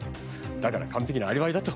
だから完璧なアリバイだと。